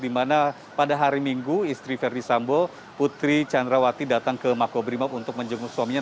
di mana pada hari minggu istri verdi sambo putri candrawati datang ke makobrimob untuk menjenguk suaminya